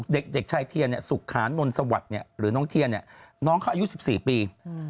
เด็กชายเทียนสุขานนสวัสดิ์หรือน้องเทียนน้องเขาอายุ๑๔ปี